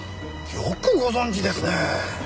よくご存じですね。